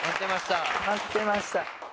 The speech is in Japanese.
・・待ってました！